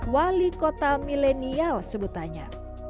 wali kota milenial sebutannya